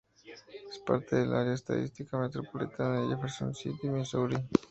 Es parte del Área Estadística Metropolitana de Jefferson City, Missouri.